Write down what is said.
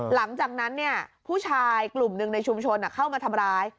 หลังจากนั้นผู้ชายกลุ่มหนึ่งในชุมชนเข้ามาทำร้าย